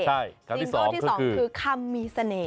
ซิงเกิ้ลที่สองคือคำมีเสน่ห์